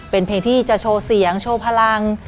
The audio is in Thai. เป็นเพลงที่จะโชว์เสียงโชว์พลัง